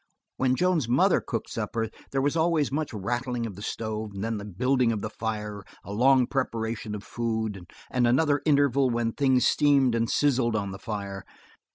When Joan's mother cooked supper there was always much rattling of the stove, then the building of the fire, a long preparation of food, and another interval when things steamed and sizzled on the fire.